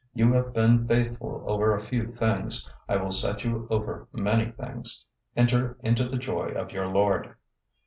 You have been faithful over a few things, I will set you over many things. Enter into the joy of your lord.'